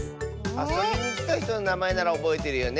あそびにきたひとのなまえならおぼえてるよね！